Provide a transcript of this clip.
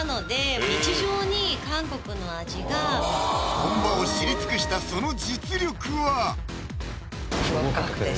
本場を知り尽くしたその実力は不合格です